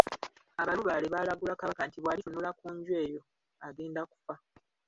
Abalubaale baalagula Kabaka nti bw'alitunula ku nju eyo agenda kufa.